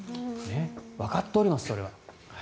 わかっております、それは。